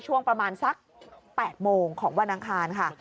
ช่วงประมาณสัก๘โมงของวันอังคารค่ะ